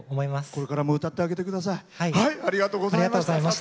これからも歌ってあげてください。